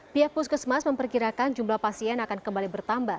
pihak puskesmas memperkirakan jumlah pasien akan kembali bertambah